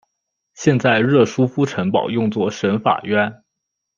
现在热舒夫城堡用作省法院。